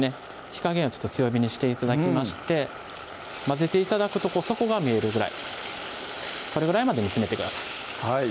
火加減を強火にして頂きまして混ぜて頂くと底が見えるぐらいこれぐらいまで煮詰めてください